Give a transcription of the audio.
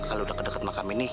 kalau udah kedekat makam ini